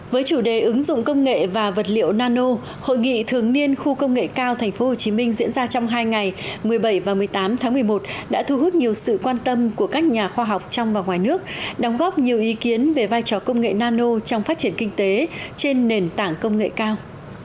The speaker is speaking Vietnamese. với chủ đề ứng dụng công nghệ và vật liệu nano hội nghị thường niên khu công nghệ cao tp hcm diễn ra trong hai ngày một mươi bảy và một mươi tám tháng một mươi một đã thu hút nhiều sự quan tâm của các nhà khoa học trong và ngoài nước đóng góp nhiều ý kiến về vai trò công nghệ nano trong phát triển kinh tế trên nền tảng công nghệ cao